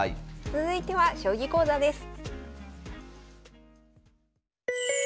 続いては「将棋講座」です。